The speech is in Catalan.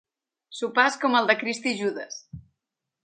Sopars com el de Crist i Judes.